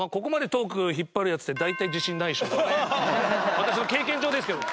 私の経験上ですけど。